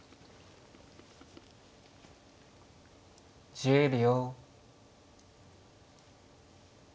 １０秒。